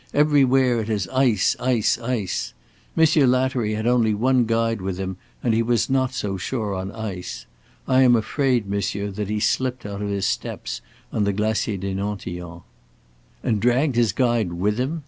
Everywhere it is ice, ice, ice. Monsieur Lattery had only one guide with him and he was not so sure on ice. I am afraid, monsieur, that he slipped out of his steps on the Glacier des Nantillons." "And dragged his guide with him?"